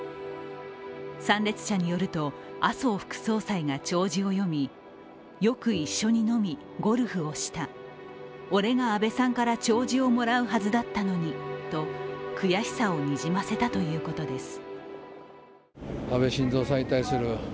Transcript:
参列者によると、麻生副総裁が弔辞を読み、よく一緒に飲み、ゴルフをした、俺が安倍さんから弔辞をもらうはずだったのにと悔しさをにじませたということです。